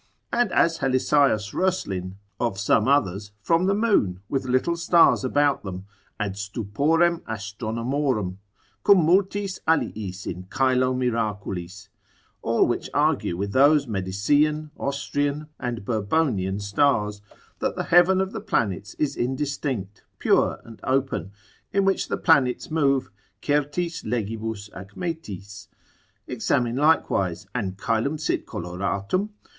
And as Helisaeus Roeslin of some others, from the moon, with little stars about them ad stuporem astronomorum; cum multis aliis in coelo miraculis, all which argue with those Medicean, Austrian, and Burbonian stars, that the heaven of the planets is indistinct, pure, and open, in which the planets move certis legibus ac metis. Examine likewise, An coelum sit coloratum?